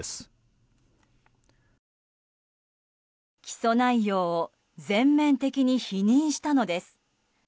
起訴内容を全面的に否認したのです。